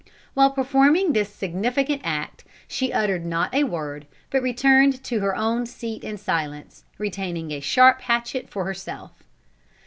While performing this significant act she uttered not a word, but returned to her own seat in silence, retaining a sharp hatchet for herself.